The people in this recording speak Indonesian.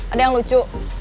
ada yang lucu